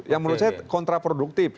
yang menurut saya kontraproduktif